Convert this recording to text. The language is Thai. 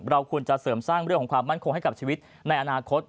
เราควรจะเสริมสร้างเรื่องของความมั่นคงให้กับชีวิตในอนาคต